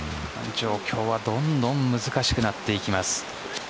状況はどんどん難しくなっていきます。